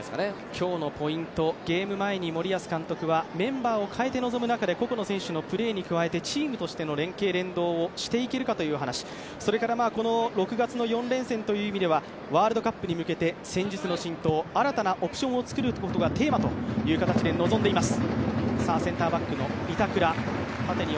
今日のポイント、ゲーム前に森保監督はメンバーを変えて臨む中で個々の選手のプレーの中でチームとしての連係・連動をしていけるかという話、それから６月の４連戦という意味ではワールドカップに向けて戦術の浸透、新たなオプションを作ることがテーマと語っています。